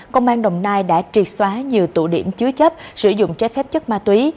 công an đồng nai đã triệt xóa nhiều tụ điểm chứa chấp sử dụng trái phép chất ma túy